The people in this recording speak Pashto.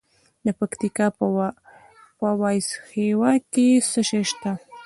د پکتیکا په وازیخوا کې څه شی شته؟